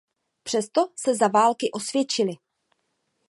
Přesto se za války osvědčily.